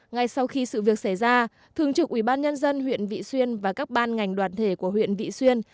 ngay sau khi sự việc xảy ra thường trực ubnd huyện vị xuyên và các ban ngành đoàn thể của huyện vị xuyên